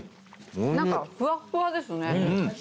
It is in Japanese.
何かふわっふわですね。